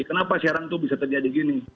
kenapa siaran itu bisa terjadi gini